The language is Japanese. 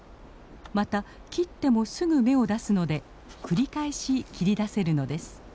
また切ってもすぐ芽を出すので繰り返し切り出せるのです。